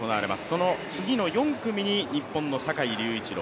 その次の４組に日本の坂井隆一郎